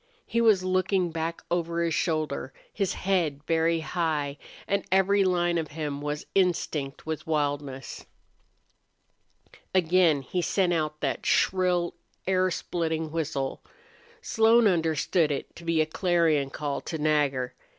He was looking back over his shoulder, his head very high, and every line of him was instinct with wildness. Again he sent out that shrill, air splitting whistle. Slone understood it to be a clarion call to Nagger.